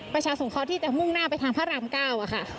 ประชาสงครที่จะมุ่งหน้าไปทางพระรามเก้าค่ะ